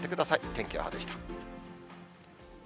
天気予報でした。